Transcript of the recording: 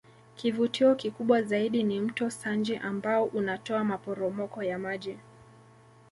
Kivutio kikubwa zaidi ni Mto Sanje ambao unatoa maporomoko ya maji